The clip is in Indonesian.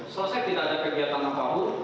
selesai tidak ada kegiatan yang baru